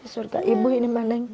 surga ibu ini